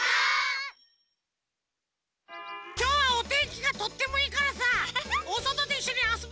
きょうはおてんきがとってもいいからさおそとでいっしょにあそぼう！